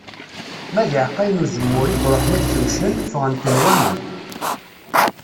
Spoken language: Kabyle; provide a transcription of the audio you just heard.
Ma d iεeqqayen n uzemmur i iruḥen ad kemcen, fγen-ten waman.